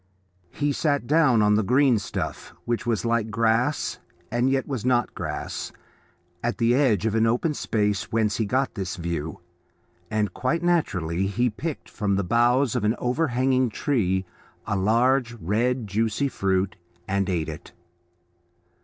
He sat down on the green stuff which was like grass and yet was not grass, at the edge of the open space whence he got this view, and quite naturally he picked from the boughs of an overhanging tree a large red, juicy fruit, and ate it.